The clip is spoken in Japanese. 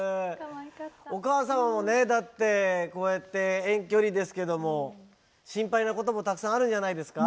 お母様もねだってこうやって遠距離ですけども心配なこともたくさんあるんじゃないですか？